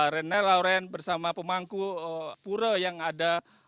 rene lawren bersama pemangku pura yang ada